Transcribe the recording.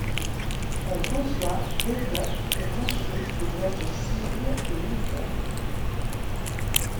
Elle conçoit, développe et construit des avions civils et militaires.